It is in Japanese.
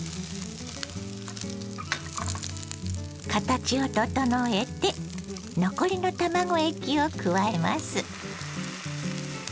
形を整えて残りの卵液を加えます。